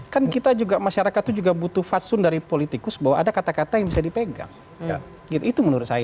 kan kita juga masyarakat itu juga butuh fatsun dari politikus bahwa ada kata kata yang bisa dipegang itu menurut saya